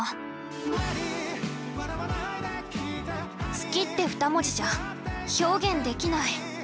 「好き」って２文字じゃ表現できない。